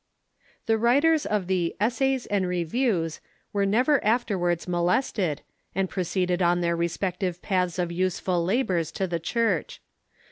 The writers of the "Essays and Reviews" Avere never after Avards molested, and proceeded on their respective paths of useful labors to the Church.